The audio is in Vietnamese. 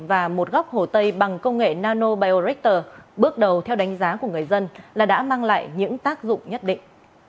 và một góc hồ tây bằng công nghệ nanobiorector bước đầu theo đánh giá của người dân là đã mang lại những tác dụng nhất định